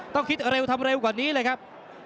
ต้องคิดเร็วทำเร็วกว่านี้เลยครับ